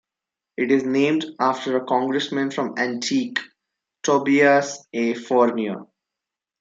It is named after a Congressman from Antique, Tobias A Fornier.